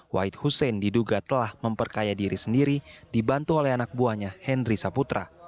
wahid hussein diduga telah memperkaya diri sendiri dibantu oleh anak buahnya henry saputra